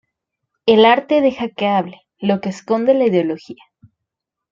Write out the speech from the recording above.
El arte deja que hable, "lo que esconde la ideología".